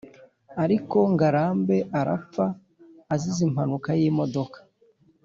ariko ngarambe arapfa azize impanuka y’imodoka.